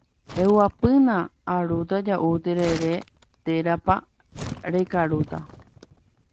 eguapýna arúta ja'u terere térãpa rekarúta